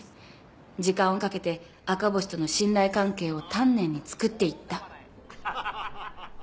時間をかけて赤星との信頼関係を丹念につくっていった。